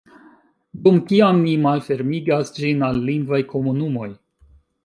Dum kiam ni malfermigas ĝin al lingvaj komunumoj